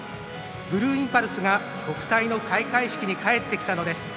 ブルーインパルスが国体の開会式に帰ってきたのです。